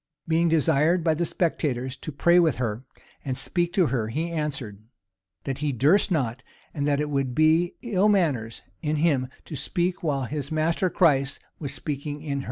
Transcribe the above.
Being desired by the spectators to pray with her, and speak to her, he answered, "that he durst not; and that it would be ill manners in him to speak while his master, Christ, was speaking in her."